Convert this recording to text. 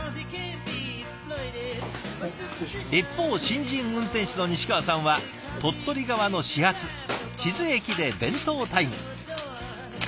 一方新人運転士の西川さんは鳥取側の始発智頭駅で弁当タイム。